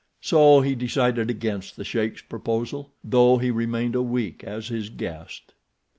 So he decided against the sheik's proposal, though he remained a week as his guest.